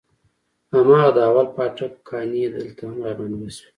هماغه د اول پاټک کانې دلته هم راباندې وسوې.